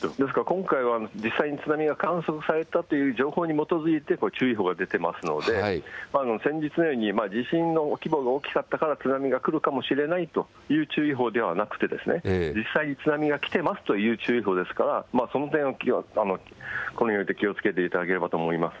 今回は実際に津波が観測されたという情報に基づいて注意報が出ているので先日のように地震の規模が大きかったから津波が来るかもしれないという注意報ではなくて実際に津波が来ていますという注意報ですから、その点、気をつけていただければと思います。